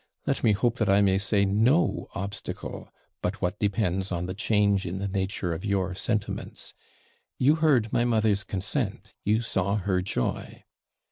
let me hope that I may say no obstacle, but what depends on the change in the nature of your sentiments. You heard my mother's consent; you saw her joy.'